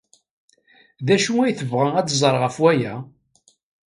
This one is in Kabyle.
D acu ay tebɣa ad t-tẓer ɣef waya?